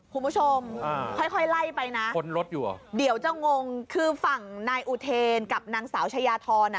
คุณผู้ชมค่อยไล่ไปนะเดี๋ยวจะงงคือฝั่งนายอุเทรนกับนางสาวชายาทร